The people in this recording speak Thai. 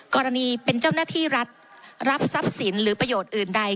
กรณีเป็นเจ้าหน้าที่รัฐรับทรัพย์สินหรือประโยชน์อื่นใด